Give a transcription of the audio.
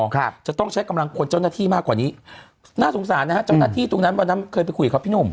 ครับจะต้องใช้กำลังคนเจ้าหน้าที่มากกว่านี้น่าสงสารนะฮะเจ้าหน้าที่ตรงนั้นวันนั้นเคยไปคุยกับพี่หนุ่ม